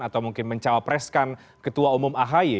atau mungkin mencawapreskan ketua umum ahi